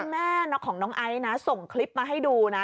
แม่ของน้องไอซ์นะส่งคลิปมาให้ดูนะ